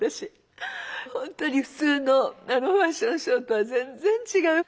本当に普通のファッションショーとは全然違う。